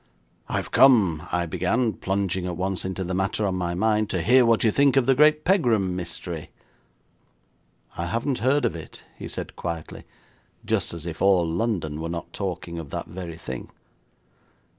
'I have come,' I began, plunging at once into the matter on my mind, 'to hear what you think of the great Pegram mystery.' 'I haven't heard of it,' he said quietly, just as if all London were not talking of that very thing.